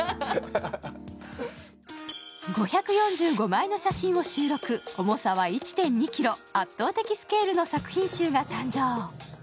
５４５枚の写真を収録、重さは１．２ｋｇ、圧倒的スケールの作品集が誕生。